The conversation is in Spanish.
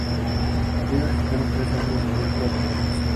Ellos visitaron tres centros greco-católicos.